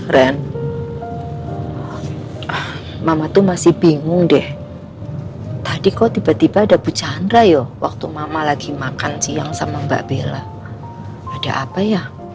ren mama tuh masih bingung deh tadi kok tiba tiba ada becandra ya waktu mama lagi makan siang sama mbak bella ada apa ya